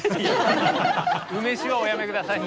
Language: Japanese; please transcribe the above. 梅酒はおやめ下さい。